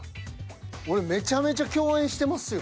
俺めちゃめちゃ共演してますよ